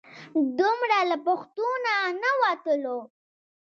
دومره له پښتو نه نه وتلو.